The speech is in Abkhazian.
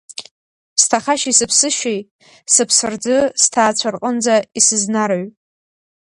Сҭахашьеи сыԥсышьеи, сыԥсырӡы сҭаацәа рҟынӡа исызнарҩ.